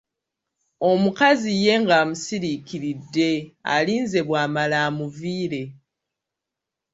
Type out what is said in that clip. Omukazi ye ng'amusiriikiridde, alinze bw'amala amuviire.